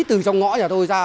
từ trong ngõ nhà tôi ra